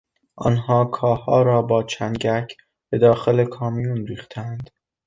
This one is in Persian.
آنها کاهها را با چنگک به داخل کامیون ریختند.